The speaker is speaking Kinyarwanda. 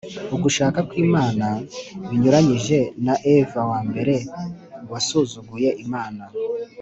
ugushaka ku imana, binyuranyije na eva wa mbere wasuzuguye imana